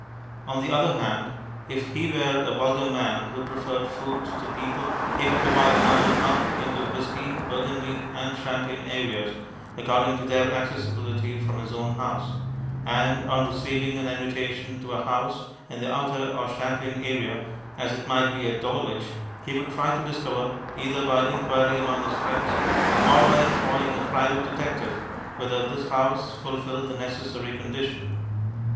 On the other hand, if he were a vulgar man who preferred food to people, he would divide London up into whisky, burgundy, and champagne areas according to their accessibility from his own house; and on receiving an invitation to a house in the outer or champagne area (as it might be at Dulwich), he would try to discover, either by inquiry among his friends or by employing a private detective, whether this house fulfilled the necessary condition.